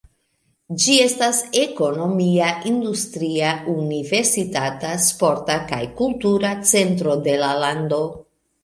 Ĝi estas ekonomia, industria, universitata, sporta kaj kultura centro de la lando.